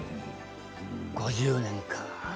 ５０年か。